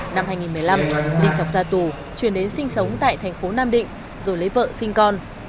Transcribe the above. năm hai nghìn một mươi năm linh chọc ra tù chuyển đến sinh sống tại thành phố nam định rồi lấy vợ sinh con